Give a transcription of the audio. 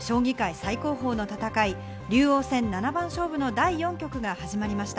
最高峰の戦い、竜王戦七番勝負の第４局が始まりました。